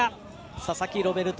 佐々木ロベルト